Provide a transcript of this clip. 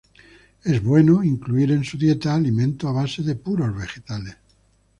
Es bueno incluir en su dieta alimento a base de puros vegetales.